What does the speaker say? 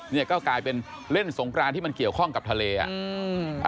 เนี่ยก็กลายเป็นเล่นสงกรานที่มันเกี่ยวข้องกับทะเลอ่ะอืม